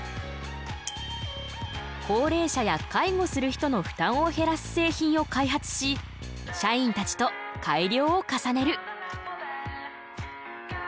高齢者や介護する人の負担を減らす製品を開発し社員たちと改良を重ねる。